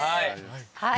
はい。